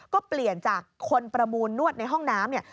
ก็เปลี่ยนจากคนประมูลนวดในห้องน้ำเนี่ย